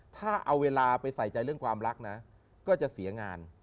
ถ้าเอาเวลาไปใส่ใจเรื่องความรักนะก็จะเสียงาน